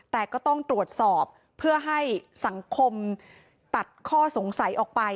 แต่ก็ต้องตรวจสอบเพื่อให้สังคมตัดข้อสงสัยออกไป